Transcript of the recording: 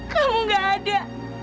kamu gak ada